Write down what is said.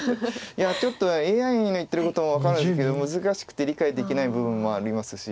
いやちょっとＡＩの言ってることも分かるんですけど難しくて理解できない部分もありますし。